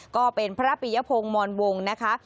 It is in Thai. ก็เป็นพระปิยพงศ์มอนวงนะคะ